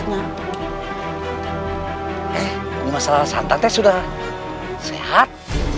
nyi masalahnya santang teg sudah sehat